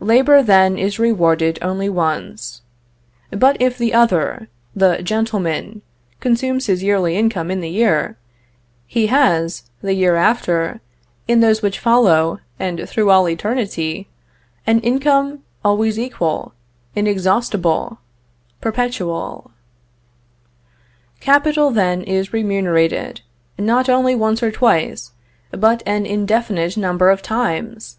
Labor, then, is rewarded only once. But if the other, the 'gentleman,' consumes his yearly income in the year, he has, the year after, in those which follow, and through all eternity, an income always equal, inexhaustible, perpetual. Capital, then, is remunerated, not only once or twice, but an indefinite number of times!